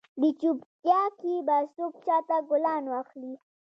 دې چوپیتا کې به څوک چاته ګلان واخلي؟